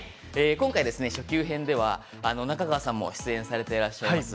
初級編では中川さんも出演されていらっしゃいます